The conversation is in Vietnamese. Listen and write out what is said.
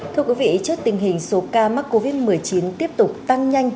thưa quý vị trước tình hình số ca mắc covid một mươi chín tiếp tục tăng nhanh